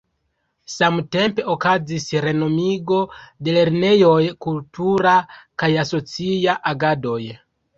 Samtempe okazis renovigo de lernejoj, kultura kaj asocia agadoj.